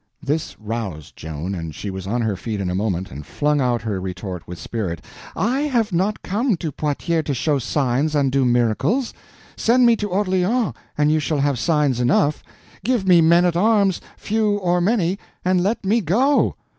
This roused Joan, and she was on her feet in a moment, and flung out her retort with spirit: "I have not come to Poitiers to show signs and do miracles. Send me to Orleans and you shall have signs enough. Give me men at arms—few or many—and let me go!"